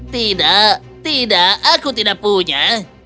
tidak tidak aku tidak punya